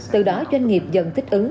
từ đó doanh nghiệp dần thích ứng